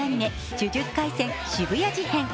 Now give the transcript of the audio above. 「呪術廻戦渋谷事変」。